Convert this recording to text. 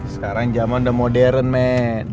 sekarang zaman udah modern men